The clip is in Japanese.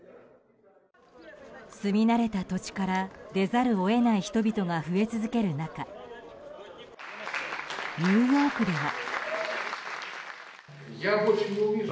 住み慣れた土地から出ざるを得ない人々が増え続ける中ニューヨークでは。